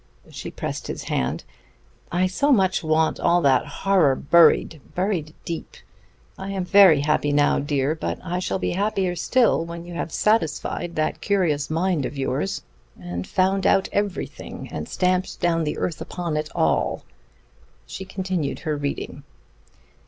She pressed his hand. "I so much want all that horror buried buried deep. I am very happy now, dear, but I shall be happier still when you have satisfied that curious mind of yours and found out everything, and stamped down the earth upon it all." She continued her reading.